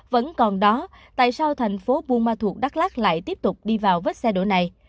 vẫn còn đó tại sao thành phố buôn ma thuột đắk lắc lại tiếp tục đi vào vết xe đổ này